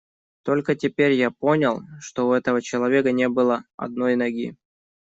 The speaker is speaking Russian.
Только теперь я понял, что у этого человека не было одной ноги.